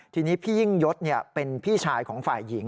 ทีนี้พี่ยิ่งยศเป็นพี่ชายของฝ่ายหญิง